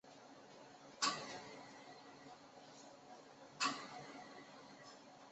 宣化在晚年查出患有淋巴癌。